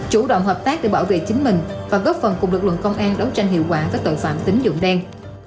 chủ động hợp tác để bảo vệ chính mình và góp phần cùng lực lượng công an đấu tranh hiệu quả với tội phạm tính dụng đen